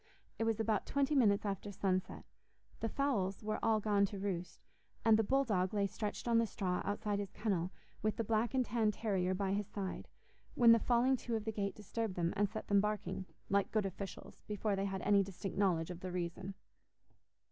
It was about twenty minutes after sunset. The fowls were all gone to roost, and the bull dog lay stretched on the straw outside his kennel, with the black and tan terrier by his side, when the falling to of the gate disturbed them and set them barking, like good officials, before they had any distinct knowledge of the reason.